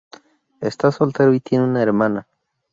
Está soltero y tiene una hermana.